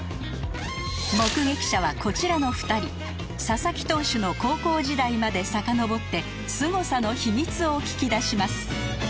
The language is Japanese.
佐々木投手の高校時代までさかのぼってすごさの秘密を聞き出します